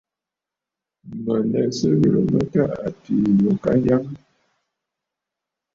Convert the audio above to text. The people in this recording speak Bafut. Mǝ̀ lɛ Sɨ ghirǝ mǝ tâ atiî yo tâ à Kanyaŋǝ.